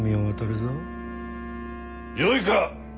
よいか！